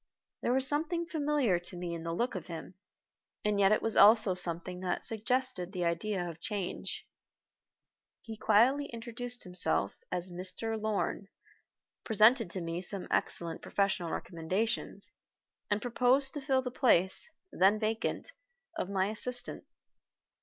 There was something familiar to me in the look of him, and yet it was also something that suggested the idea of change. He quietly introduced himself as "Mr. Lorn," presented to me some excellent professional recommendations, and proposed to fill the place, then vacant, of my assistant.